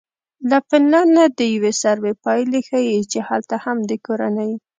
له فنلنډه د یوې سروې پایلې ښیي چې هلته هم د کورنۍ